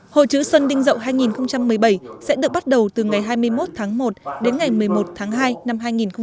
hội chữ xuân đinh rậu hai nghìn một mươi bảy sẽ được bắt đầu từ ngày hai mươi một tháng một đến ngày một mươi một tháng hai năm hai nghìn một mươi chín